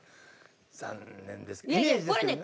残念ですイメージですけどね。